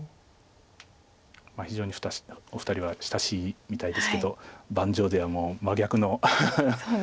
非常にお二人は親しいみたいですけど盤上ではもう真逆の展開になりそうです。